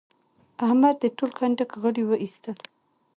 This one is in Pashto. احمد د ټول کنډک غړي واېستل.